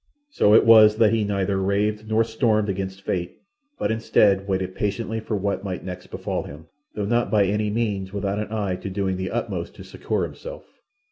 So it was that he neither raved nor stormed against fate, but instead waited patiently for what might next befall him, though not by any means without an eye to doing the utmost to succour himself.